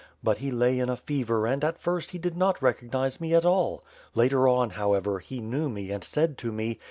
But he lay in a fever and, at first, he did not recognize me at all. Later on, however, he knew me and said to me.